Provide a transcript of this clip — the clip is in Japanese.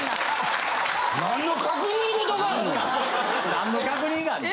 何の確認があんねん。